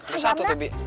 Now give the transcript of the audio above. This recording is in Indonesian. ada satu tuh bi